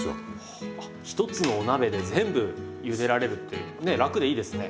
はあ一つのお鍋で全部ゆでられるってね楽でいいですね。